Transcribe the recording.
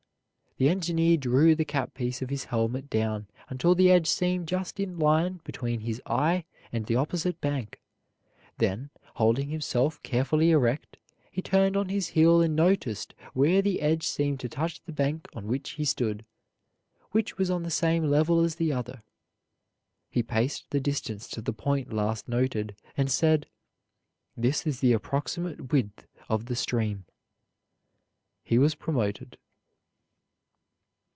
The engineer drew the cap piece of his helmet down until the edge seemed just in line between his eye and the opposite bank; then, holding himself carefully erect, he turned on his heel and noticed where the edge seemed to touch the bank on which he stood, which was on the same level as the other. He paced the distance to the point last noted, and said: "This is the approximate width of the stream." He was promoted.